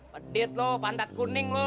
pedet lu pantat kuning lu